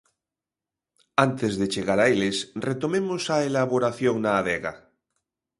Antes de chegar a eles retomemos a elaboración na adega.